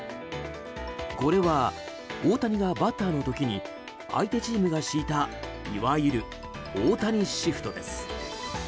これは、大谷がバッターの時に相手チームが敷いたいわゆる大谷シフトです。